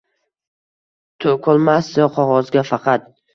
To’kolmasdi qog’ozga faqat